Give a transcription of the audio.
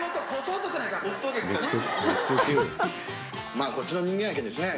「まあこっちの人間やけんですね